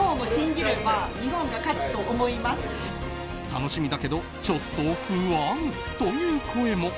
楽しみだけどちょっと不安という声も。